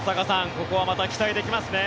ここはまた期待できますね。